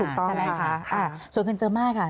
ถูกต้องค่ะค่ะค่ะส่วนกันเจอมาที่ค่ะ